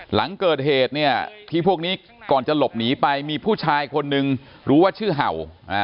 หลังเกิดเหตุเนี่ยที่พวกนี้ก่อนจะหลบหนีไปมีผู้ชายคนนึงรู้ว่าชื่อเห่า